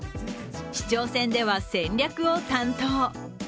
市長選では戦略を担当。